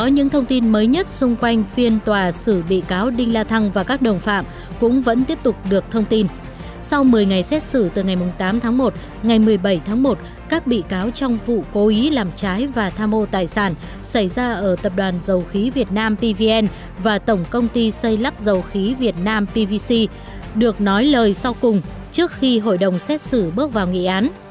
ngày xét xử từ ngày tám tháng một ngày một mươi bảy tháng một các bị cáo trong vụ cố ý làm trái và tha mô tài sản xảy ra ở tập đoàn dầu khí việt nam pvn và tổng công ty xây lắp dầu khí việt nam pvc được nói lời sau cùng trước khi hội đồng xét xử bước vào nghị án